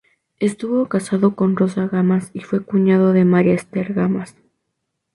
Estuvo casado con Rosa Gamas y fue cuñado de María Esther Gamas.